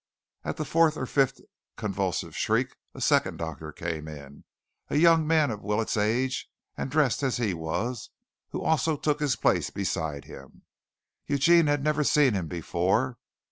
At the fourth or fifth convulsive shriek, a second doctor came in, a young man of Willets' age, and dressed as he was, who also took his place beside him. Eugene had never seen him before.